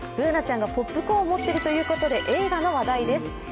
Ｂｏｏｎａちゃんがポップコーンを持っているということで映画の話題です。